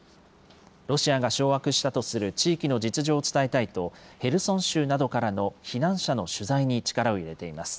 ロシアが掌握したとする地域の実情を伝えたいと、ヘルソン州などからの避難者の取材に力を入れています。